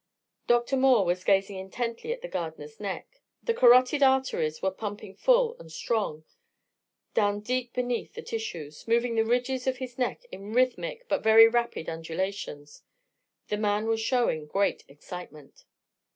Dr. Moore was gazing intently at the gardener's neck. The carotid arteries were pumping full and strong, down deep beneath the tissues, moving the ridges of his neck in rhythmic but very rapid undulations the man was showing great excitement.